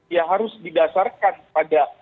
ia harus didasarkan pada